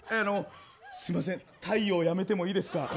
すみません太陽やめてもいいですか。